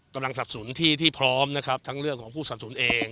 สับสนที่ที่พร้อมนะครับทั้งเรื่องของผู้สับสนเอง